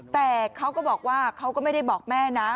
แต่เขาก็บอกว่าเขาก็ไม่ได้บอกแม่นะ